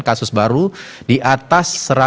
kasus baru di atas